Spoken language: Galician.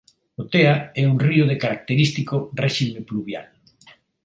O Tea é un río de característico réxime pluvial.